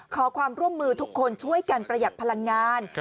ขอความร่วมมือทุกคนช่วยกันประหยัดพลังงาน